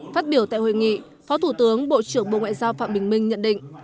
phát biểu tại hội nghị phó thủ tướng bộ trưởng bộ ngoại giao phạm bình minh nhận định